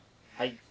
はい。